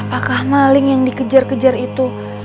apakah maling yang dikejar kejar itu